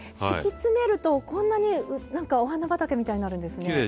敷き詰めるとこんなに何かお花畑みたいになるんですね。